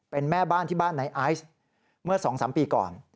เป็นแม่บ้านที่บ้านในไอซ์เมื่อ๒๓ปีก่อน